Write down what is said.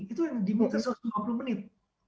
itu yang dimaksudkan satu ratus lima puluh menit